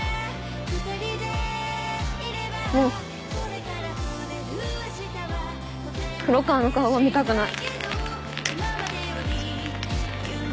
もう黒川の顔は見たくない。